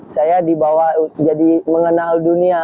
saya dibawa jadi mengenal